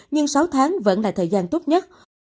nhưng sáu tháng vẫn là thời gian tốt nhất